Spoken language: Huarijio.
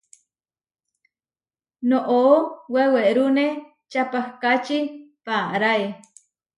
Noʼó wewerúne čapahkáči paaráe.